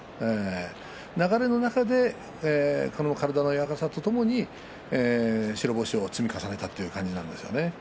流れの中でこの体の柔らかさとともに白星を積み重ねたという感じなんですよね。